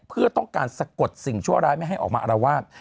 เพื่อต้องการสะกดสิ่งชั่วร้ายไม่ให้ออกมาอารวาส